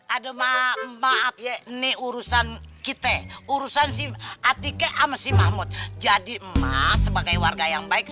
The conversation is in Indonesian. ada maaf ya nih urusan kita urusan sih atika masih mahmud jadi emas sebagai warga yang baik